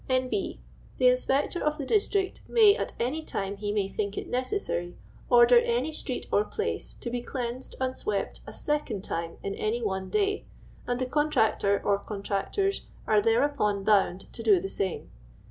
" N.B. the Inspector of the District may, at any time he may think it necessar}', order any Street or Place to be cleansed and swept a second time in any one day, and the Contractor or Con tractors are thereupon bound to do the same.